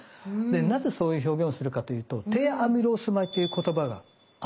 なぜそういう表現をするかというと低アミロース米という言葉があるんです。